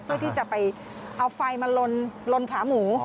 เพื่อที่จะไปเอาไฟมาลนขาหมู